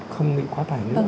không bị quá tải nữa